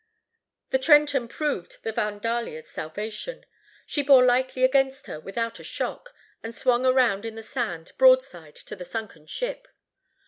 The Trenton proved the Vandalia's salvation. She bore lightly against her without a shock, and swung around in the sand broadside to the sunken ship.